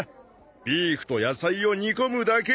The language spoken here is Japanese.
ビーフと野菜を煮込むだけ。